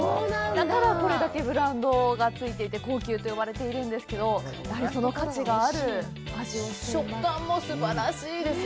だから、これだけブランドがついていて高級と呼ばれているんですけど、やはり、その価値があるアジです。